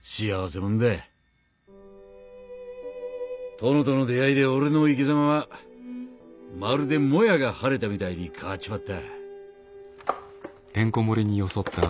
殿との出会いで俺の生きざまはまるでもやが晴れたみたいに変わっちまった」。